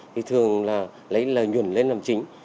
thì thường là lấy lời nhuận lên làm chính